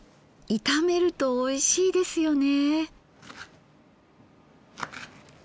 炒めるとおいしいですよね。